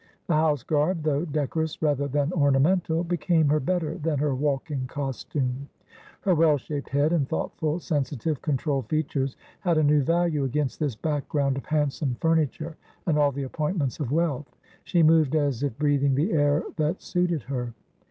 The house garb, though decorous rather than ornamental, became her better than her walking costume. Her well shaped head and thoughtful, sensitive, controlled features, had a new value against this background of handsome furniture and all the appointments of wealth. She moved as if breathing the air that suited her.